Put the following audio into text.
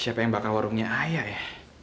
siapa yang bakal warungnya ayah ya